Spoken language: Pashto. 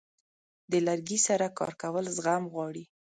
د لرګي سره کار کول زغم غواړي.